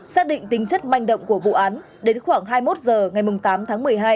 xác định tính chất manh động của vụ án đến khoảng hai mươi một h ngày tám tháng một mươi hai